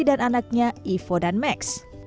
dan anaknya ivo dan max